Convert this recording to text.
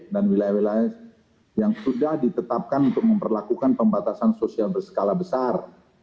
dan wilayah wilayah yang sudah ditetapkan untuk memperlakukan pembatasan sosial berskala besar